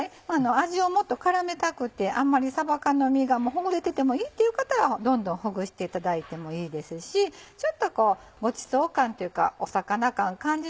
味をもっと絡めたくてあんまりさば缶の身がほぐれててもいいっていう方はどんどんほぐしていただいてもいいですしちょっとごちそう感というか魚感感じ